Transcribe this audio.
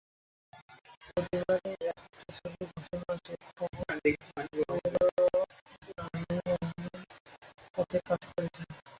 প্রতিবারই একেকটা ছবির ঘোষণা আসে, খবর বেরোয় আমি নাকি তাতে কাজ করছি।